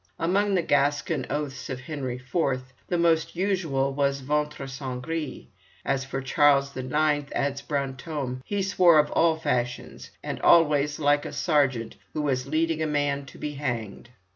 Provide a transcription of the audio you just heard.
Among the Gascon oaths of Henry IV. the most usual was ventre Saint Gris. As for Charles IX., adds Brantôme, he swore in all fashions, and always like a sergeant who was leading a man to be hanged.